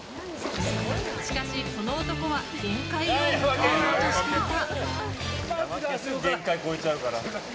しかし、この男は限界を迎えようとしていた。